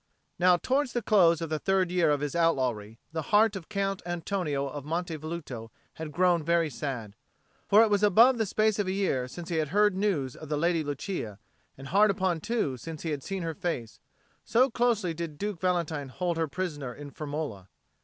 Now towards the close of the third year of his outlawry the heart of Count Antonio of Monte Velluto had grown very sad. For it was above the space of a year since he had heard news of the Lady Lucia, and hard upon two since he had seen her face; so closely did Duke Valentine hold her prisoner in Firmola.